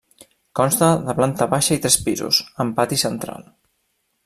Consta de planta baixa i tres pisos, amb pati central.